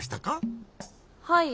はい。